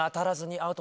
アウト！